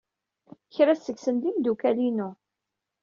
Kra seg-sen d imeddukal-inu.